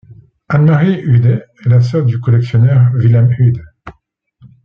Anne-Marie Uhde est la sœur du collectionneur Wilhelm Uhde.